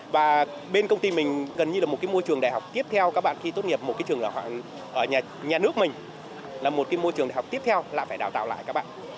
và bên công ty mình gần như là một cái môi trường đại học tiếp theo các bạn khi tốt nghiệp một cái trường ở nhà nước mình là một cái môi trường đại học tiếp theo là phải đào tạo lại các bạn